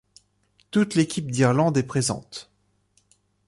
Toute l’équipe d’Irlande est présente.